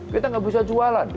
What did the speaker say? kita gak bisa jualan